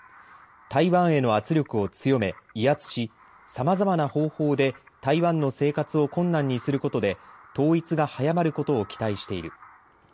台湾への圧力を強め威圧しさまざまな方法で台湾の生活を困難にすることで統一が早まることを期待している。